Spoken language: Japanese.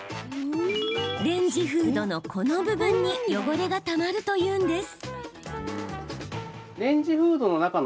レンジフードの、この部分に汚れがたまるというんです。